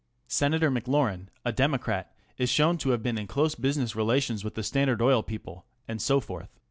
Senator McLaurin, a Democrat, is shown to have been in close business relations with the Standard Oil people, and so forth.